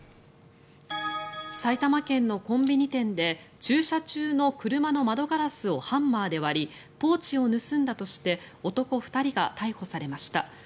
埼玉県のコンビニ店で駐車中の車の窓ガラスをハンマーで割りポーチを盗んだとして男２人が逮捕されました。